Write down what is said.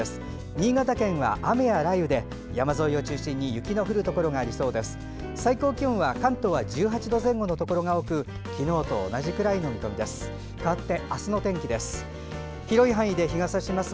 新潟県は雨や雷雨で山沿いを中心に雪の降るところがありそうです。